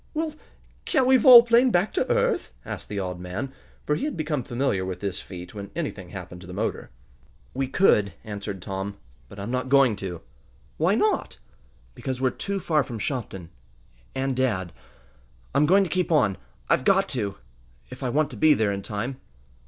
"Well, can't we volplane back to earth?" asked the odd man, for he had become familiar with this feat when anything happened to the motor. "We could," answered Tom, "but I'm not going to." "Why not?" "Because we're too far from Shopton and dad! I'm going to keep on. I've got to if I want to be there in time!"